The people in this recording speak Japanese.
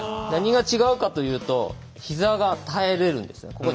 何が違うかというとひざが耐えれるんですね。